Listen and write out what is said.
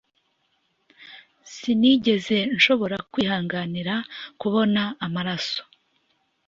Sinigeze nshobora kwihanganira kubona amaraso